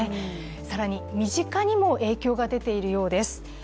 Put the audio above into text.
更に身近にも影響が出ているようです。